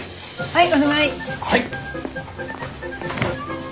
はい。